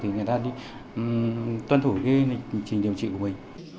thì người ta đi tuân thủ lịch trình điều trị của mình